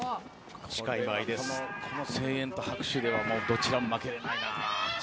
この声援と拍手ではどちらも負けられないな。